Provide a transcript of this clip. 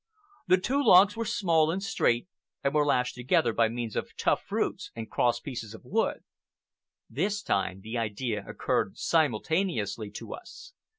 The two logs were small and straight, and were lashed together by means of tough roots and crosspieces of wood. This time the idea occurred simultaneously to us.